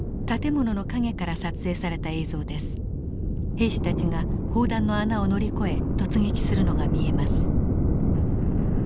兵士たちが砲弾の穴を乗り越え突撃するのが見えます。